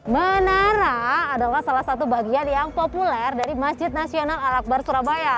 menara adalah salah satu bagian yang populer dari masjid nasional al akbar surabaya